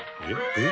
「えっ？」